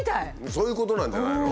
そういうことなんじゃないの？